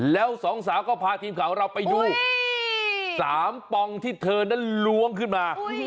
แล้วสองสาวก็พาทีมข่าวของเราไปดู๓ปองที่เธอนั้นล้วงขึ้นมา